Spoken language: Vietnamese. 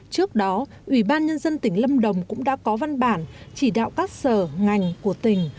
trước đó ủy ban nhân dân tỉnh lâm đồng cũng đã có văn bản chỉ đạo các sở ngành của tỉnh